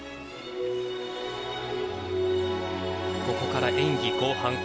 ここから演技後半。